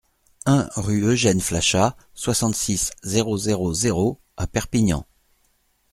un rue Eugene Flachat, soixante-six, zéro zéro zéro à Perpignan